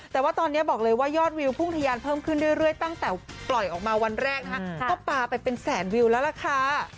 แต่ว่าตอนนี้บอกเลยว่ายอดวิวพุ่งทะยานเพิ่มขึ้นเรื่อยตั้งแต่ปล่อยออกมาวันแรกนะคะก็ปลาไปเป็นแสนวิวแล้วล่ะค่ะ